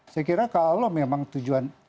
saya kira kalau memang tujuan